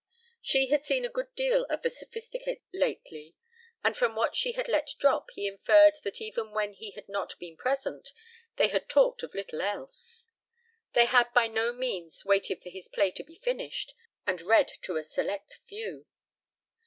She had seen a good deal of the Sophisticates lately, and from what she had let drop he inferred that even when he had not been present they had talked of little else. They had by no means waited for his play to be finished and read to a select few.